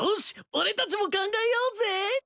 俺たちも考えようぜ！